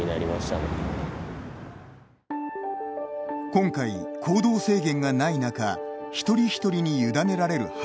今回、行動制限がない中一人一人に委ねられる判断。